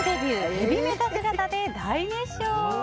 ヘビメタ姿で大熱唱！